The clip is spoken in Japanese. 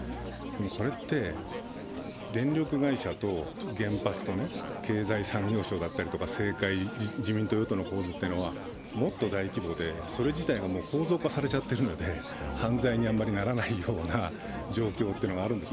これって電力会社の原発と経済産業省だったり政界、自民党・与党の構図というのはもっと大規模で、それ自体が構造化されちゃっているので犯罪にあまりならないような状況というのがあるんです。